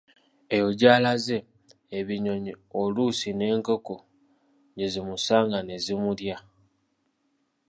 Eyo gy’alaze, ebinnyonyi, oluusi n'enkoko gye zimusanga nezimulya.